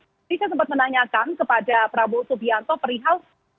jadi saya sempat menanyakan kepada prabowo subianto perihal